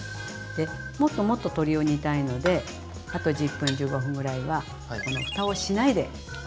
でもっともっと鶏を煮たいのであと１０分１５分ぐらいはこのふたをしないで。